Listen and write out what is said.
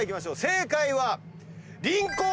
正解は。